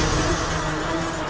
aku akan menangkan gusti ratu